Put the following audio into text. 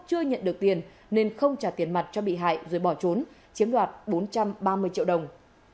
chưa nhận được tiền nên không trả tiền mặt cho bị hại rồi bỏ trốn chiếm đoạt bốn trăm ba mươi triệu đồng